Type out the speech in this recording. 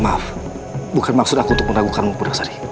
maaf bukan maksud aku untuk meragukanmu pudasari